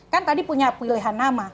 kan tadi punya pilihan nama